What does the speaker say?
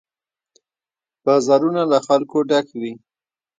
بازارونه له خلکو ډک وي.